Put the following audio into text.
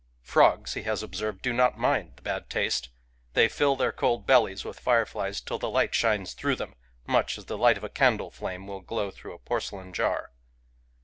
(Frogs, he has observed, do not mind the bad taste : they fill their cold bellies with fireflies till the light shines through them, much as the light of a candle flame will glow through a porcelain jar.)